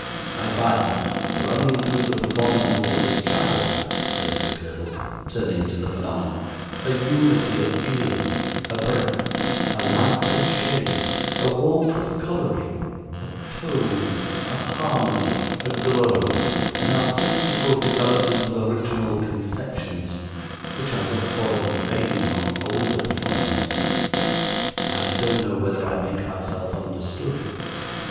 I find, running through the performances of this child,' said Mr. Curdle, turning to the phenomenon, 'a unity of feeling, a breadth, a light and shade, a warmth of colouring, a tone, a harmony, a glow, an artistical development of original conceptions, which I look for, in vain, among older performers I don't know whether I make myself understood?